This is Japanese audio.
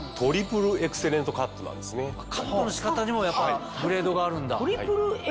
カットの仕方にもグレードがあるんだ。